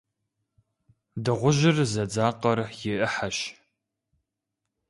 Дыгъужьыр зэдзакъэр и Ӏыхьэщ.